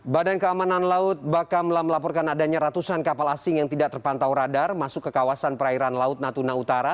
badan keamanan laut bakamlah melaporkan adanya ratusan kapal asing yang tidak terpantau radar masuk ke kawasan perairan laut natuna utara